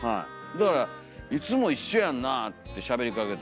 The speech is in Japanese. だから「いつも一緒やんな」ってしゃべりかけたら。